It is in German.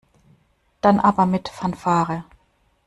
Dann aber mit Fanfare.